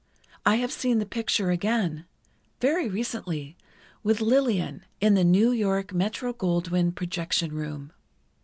I have seen the picture again—very recently, with Lillian, in the New York Metro Goldwyn projection room.